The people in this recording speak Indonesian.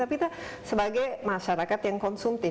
tapi kita sebagai masyarakat yang konsumtif